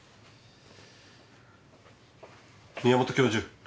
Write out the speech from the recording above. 宮本教授。